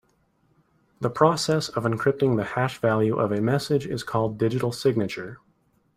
The process of encrypting the hash value of a message is called digital signature.